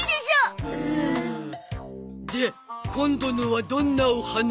で今度のはどんなお話？